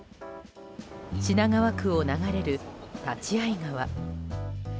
品川区を流れる立会川。